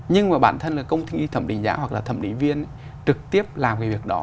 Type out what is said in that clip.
nhưng mà bản thân là công ty thẩm định giá hoặc là thẩm định viên trực tiếp làm cái việc đó